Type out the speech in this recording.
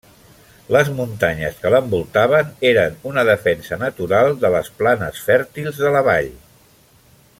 Les muntanyes que l'envoltaven eren una defensa natural de les planes fèrtils de la vall.